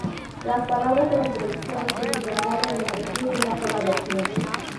Las palabras de la introducción se superponen entre sí en una sola versión.